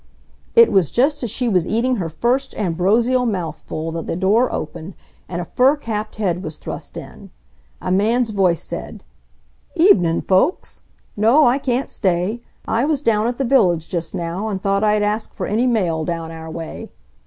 It was just as she was eating her first ambrosial mouthful that the door opened and a fur capped head was thrust in. A man's voice said: "Evenin', folks. No, I can't stay. I was down at the village just now, and thought I'd ask for any mail down our way."